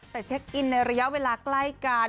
แต่เช็คอินในระยะเวลาใกล้กัน